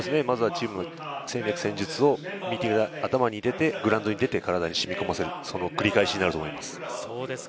チームの戦略・戦術を頭に入れてグラウンドに出て、頭に、体に染み込ませる、その繰り返しになります。